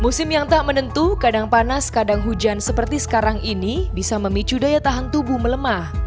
musim yang tak menentu kadang panas kadang hujan seperti sekarang ini bisa memicu daya tahan tubuh melemah